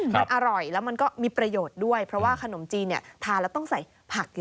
มันอร่อยแล้วมันก็มีประโยชน์ด้วยเพราะว่าขนมจีนเนี่ยทานแล้วต้องใส่ผัก